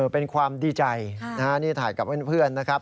เป็นความดีใจนี่ถ่ายกับเพื่อนนะครับ